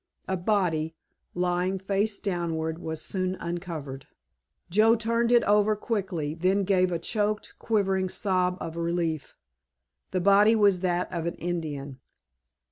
A body, lying face downward, was soon uncovered. Joe turned it over quickly, then gave a choked, quivering sob of relief. The body was that of an Indian.